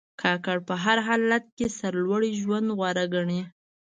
کاکړ په هر حالت کې سرلوړي ژوند غوره ګڼي.